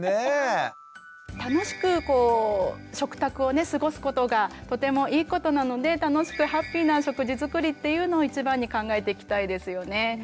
楽しく食卓を過ごすことがとてもいいことなので楽しくハッピーな食事作りっていうのを一番に考えていきたいですよね。